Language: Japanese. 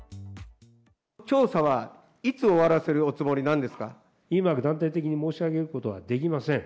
調査はいつ終わらせるおつも今、断定的に申し上げることはできません。